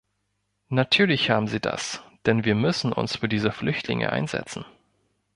Natürlich haben sie das denn wir müssen uns für diese Flüchtlinge einsetzen.